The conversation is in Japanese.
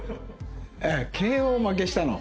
えっＫＯ負けしたの？